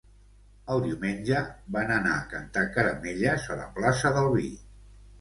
El diumenge van anar a cantar caramelles a la plaça del vi